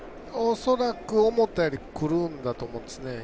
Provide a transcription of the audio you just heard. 恐らく思ったよりくるんだと思うんですね。